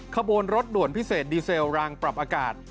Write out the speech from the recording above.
ขบวนรถด่วนพิเศษดีเซลรางปรับอากาศ